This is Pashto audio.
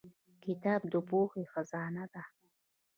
• کتاب د پوهې خزانه ده.